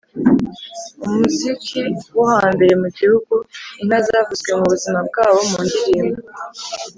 umuziki wo hambere mu gihugu: inka zavuzwe mubuzima bwabo mu ndirimbo